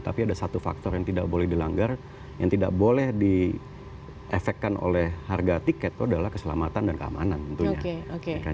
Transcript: tapi ada satu faktor yang tidak boleh dilanggar yang tidak boleh diefekkan oleh harga tiket itu adalah keselamatan dan keamanan tentunya